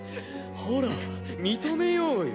ほら認めようよ